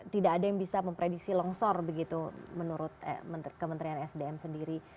tidak ada yang bisa memprediksi longsor begitu menurut kementerian sdm sendiri